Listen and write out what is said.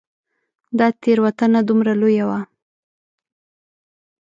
دا تېروتنه دومره لویه وه.